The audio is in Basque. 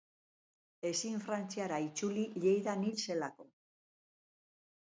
Ezin Frantziara itzuli Lleidan hil zelako.